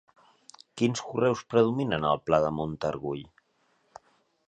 Quins conreus predominen al pla de Montargull?